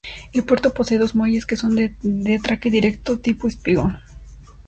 El puerto posee dos muelles que son de atraque directo tipo espigón.